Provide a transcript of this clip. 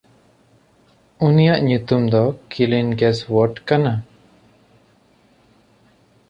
ᱩᱱᱤᱭᱟᱜ ᱧᱩᱛᱩᱢ ᱫᱚ ᱠᱤᱞᱤᱱᱜᱮᱥᱣᱚᱨᱴᱷ ᱠᱟᱱᱟ᱾